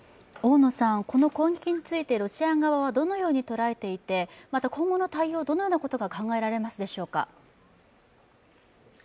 この攻撃についてロシア側はどのように捉えていてまた今後の対応は、どのようなことが考えられますでしょうか？